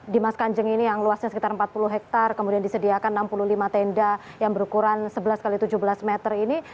di mas kanjeng ini yang luasnya sekitar empat puluh hektare kemudian disediakan enam puluh lima tenda yang berukuran sebelas x tujuh belas meter ini